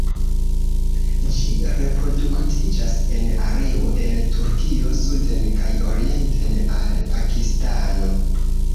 Ĝi reproduktiĝas en areo el Turkio suden kaj orienten al Pakistano.